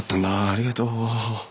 ありがとう。